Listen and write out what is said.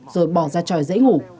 rồi bỏ ra tròi dãy ngủ